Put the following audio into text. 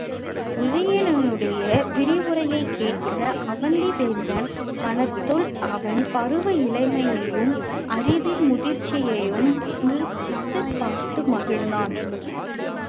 உதயணனுடைய விரிவுரையைக் கேட்ட அவந்திவேந்தன் மனத்துள் அவன் பருவ இளமையையும் அறிவின் முதிர்ச்சியையும் நிறுத்துப் பார்த்து மகிழ்ந்தான்.